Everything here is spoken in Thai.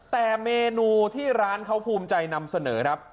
แต่เมนูที่ร้านเขาภูมิใจนำเสนอครับ